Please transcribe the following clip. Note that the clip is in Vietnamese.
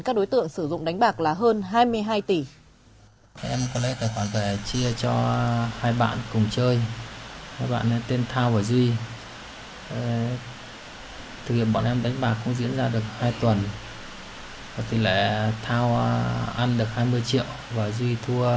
các đối tượng sử dụng đánh bạc là hơn hai mươi hai tỷ